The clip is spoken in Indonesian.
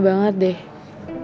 bakalan gak suka